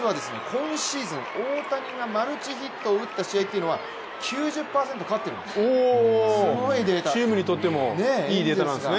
今シーズン、大谷がマルチヒットを打った試合は９０％勝ってるんです、すごいデータです。